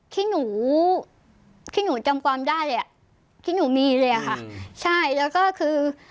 ที่หนูที่หนูจำความได้อ่ะที่หนูมีเลยอะค่ะใช่แล้วก็คือ